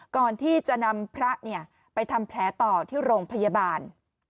ก่อนที่จะนำพระไปทำแผลต่อที่โรงพยาบาล